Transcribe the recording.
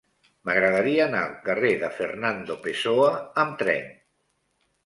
M'agradaria anar al carrer de Fernando Pessoa amb tren.